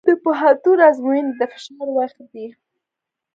د پوهنتون ازموینې د فشار وخت دی.